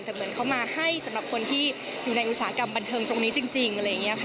แต่เหมือนเขามาให้สำหรับคนที่อยู่ในอุตสาหกรรมบันเทิงตรงนี้จริงอะไรอย่างนี้ค่ะ